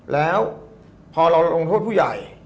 แล้วพอเราลงโทษผู้ใหญ่